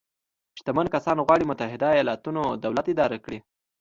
شتمن کسان غواړي متحده ایالتونو دولت اداره کړي.